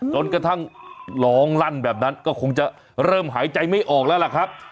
จนกระทั่งร้องลั่นแบบนั้นก็คงจะเริ่มหายใจไม่ออกแล้วล่ะครับ